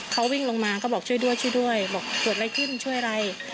เขาวิ่งลงมาก็บอกช่วยด้วยช่วยด้วยบอกเกิดอะไรขึ้นช่วยอะไร